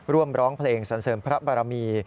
ร้องเพลงสันเสริมพระบารมี